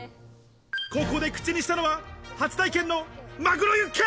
ここで口にしたのは、初体験のマグロユッケ。